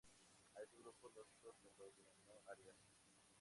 A estos grupos lógicos se los denomina "áreas".